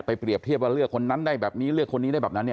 เปรียบเทียบว่าเลือกคนนั้นได้แบบนี้เลือกคนนี้ได้แบบนั้นเนี่ย